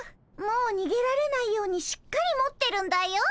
もうにげられないようにしっかり持ってるんだよ。